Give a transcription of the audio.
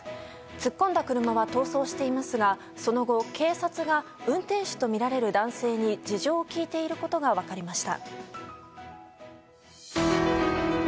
突っ込んだ車は逃走していますがその後、警察が運転手とみられる男性に事情を聴いていることが分かりました。